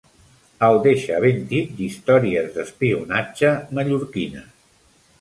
El deixa ben tip d'històries d'espionatge mallorquines.